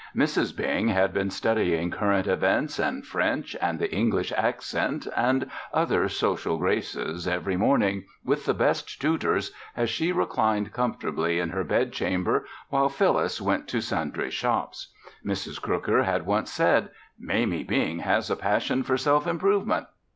Mrs. Bing had been studying current events and French and the English accent and other social graces every morning, with the best tutors, as she reclined comfortably in her bedchamber while Phyllis went to sundry shops. Mrs. Crooker had once said, "Mamie Bing has a passion for self improvement."